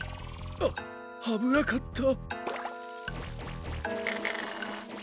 ああぶなかった。